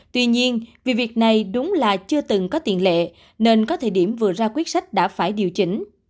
tuy nhiên vì việc này đúng là chưa từng có tiền lệ nên có thời điểm vừa ra quyết sách đã phải điều chỉnh